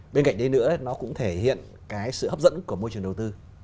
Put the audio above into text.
bên cạnh đấy nữa nó cũng thể hiện cái sự hấp dẫn của môi trường đầu tư